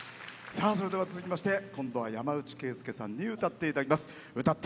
続きまして今度は山内惠介さんに歌っていただきます。